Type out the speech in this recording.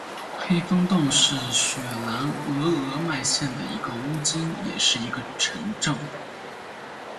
黑风洞是雪兰莪鹅唛县的一个巫金也是一个城镇。